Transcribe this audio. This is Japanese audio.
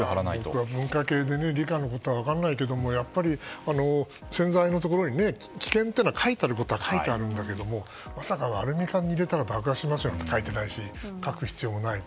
僕は文科系で理科のことは分からないけどやっぱり、洗剤のところに危険というのは書いてあることは書いてあるけれどもまさかアルミ缶に入れたら爆発するとは書いていないし書く必要もない。